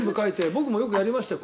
僕もよくやりましたよ